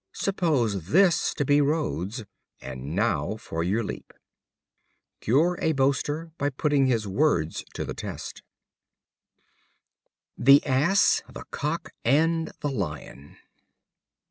Suppose this to be Rhodes and now for your leap." Cure a boaster by putting his words to the test. The Ass, the Cock, and the Lion.